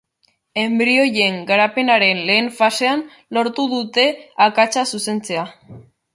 Enbrioien garapenaren lehen fasean lortu dute akatsa zuzentzea.